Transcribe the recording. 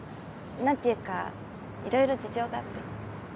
何ていうか色々事情があって。